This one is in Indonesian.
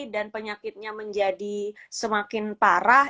dan penyakitnya menjadi semakin parah